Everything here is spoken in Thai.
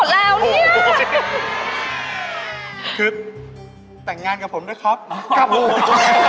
ธิราเขาตื่นเต้นไปหมดแล้วนี่